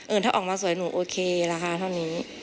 ถ้าออกมาสวยหนูโอเคราคาเท่านี้